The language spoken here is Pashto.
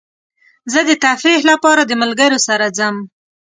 زه د تفریح لپاره د ملګرو سره ځم.